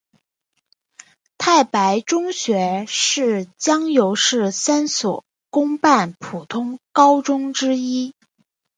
太白中学是江油市三所公办普通高中之一。